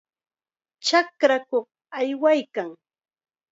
Chakrakuq aywaykaa.